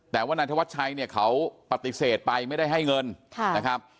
แต่ว่านายธวัชชัยเนี่ยเขาปฏิเสธไปไม่ได้ให้เงินนะครับ